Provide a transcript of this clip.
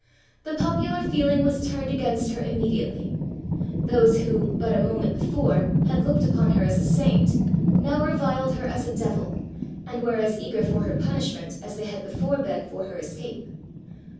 The popular feeling was turned against her immediately. Those who, but a moment before, had looked upon her as a saint, now reviled her as a devil, and were as eager for her punishment as they had before been for her escape.